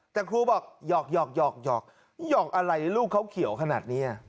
แต่ครูบอกหยอกหยอกหยอกหยอกหยอกอะไรลูกเขาเขียวขนาดเนี่ย